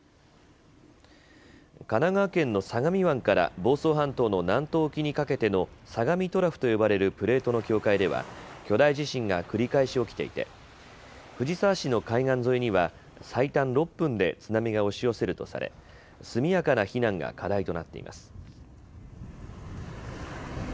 神奈川県の相模湾から房総半島の南東沖にかけての相模トラフと呼ばれるプレートの境界では巨大地震が繰り返し起きていて藤沢市の海岸沿いには最短６分で津波が押し寄せるとされ速やかな避難が課題となっています。